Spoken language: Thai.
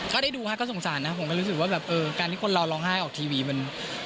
ก็ได้ดูฮะก็สงสารนะผมก็รู้สึกว่าแบบเออการที่คนเราร้องไห้ออกทีวีมัน